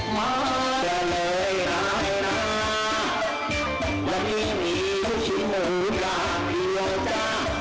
มาจะเลยร้ายนะวันนี้มีชิคกี้พายอย่างเดียวจ้ะ